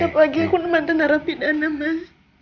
apalagi aku nemat tanah rapi dana mas